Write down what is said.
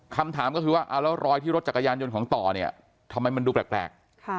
คำถามก็คือว่าเอาแล้วรอยที่รถจักรยานยนต์ของต่อเนี่ยทำไมมันดูแปลก